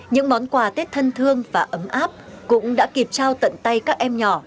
những món quà tết thân thương và ấm áp cũng đã kịp trao tận tay các em nhỏ